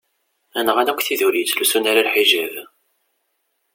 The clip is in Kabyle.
Nɣan akk tid ur yettlusun ara lḥijab.